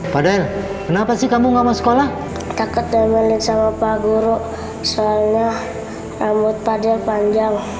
pada kenapa sih kamu nggak mau sekolah takut demelin sama pak guru soalnya rambut pada panjang